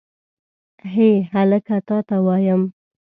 هې هلکه تا ته وایم.